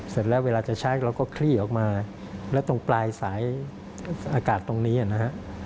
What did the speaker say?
เสร็จแล้วเวลาจะใช้เราก็คลี่ออกมาแล้วตรงปลายสายอากาศตรงนี้นะฮะ